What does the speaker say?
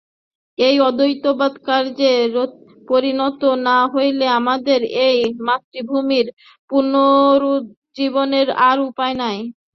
এই অদ্বৈতবাদ কার্যে পরিণত না হইলে আমাদের এই মাতৃভূমির পুনরুজ্জীবনের আর উপায় নাই।